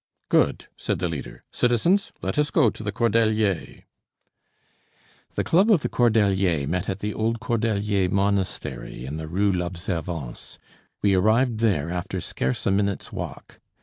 "Good," said the leader. "Citizens, let us go to the Cordeliers." The club of the Cordeliers met at the old Cordelier monastery in the Rue l'Observance. We arrived there after scarce a minute's walk.